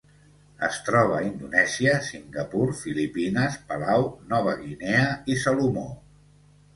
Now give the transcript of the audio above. Es troba a Indonèsia, Singapur, Filipines, Palau, Nova Guinea i Salomó.